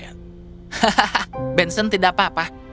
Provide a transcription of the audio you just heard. hahaha benson tidak apa apa